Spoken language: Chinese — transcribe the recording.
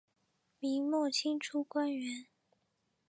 明末清初官员。